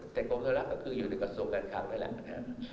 แต่กรมธรรมก็คืออยู่ในกระทรวงกันครั้งนั้นแหละครับ